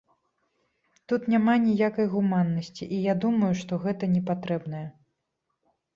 Тут няма ніякай гуманнасці, і я думаю, што гэта не патрэбнае.